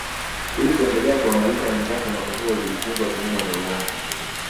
Ili kuendelea kuwamaliza wenzake mwaka huo zilitungwa tuhuma za uongo